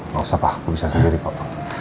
gak usah pak aku bisa sendiri kok